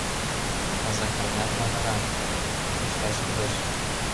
Казакайнат магыра, лӱшташ кӱлеш.